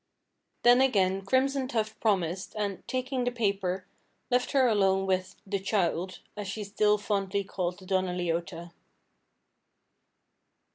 Then again Crimson Tuft promised, and, taking the paper, left her alone with "the child," as she still fondly called the Donna Leota.